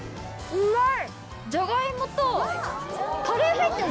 うまい！